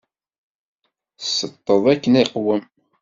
Tsetteḍ akken iqwem?